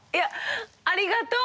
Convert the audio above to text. ありがとう！